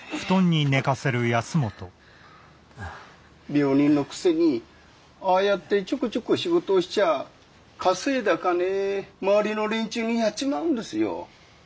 病人のくせにああやってちょこちょこ仕事をしちゃあ稼いだ金周りの連中にやっちまうんですよ。